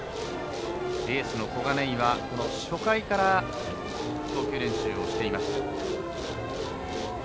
エースの小金井は初回から投球練習をしていました。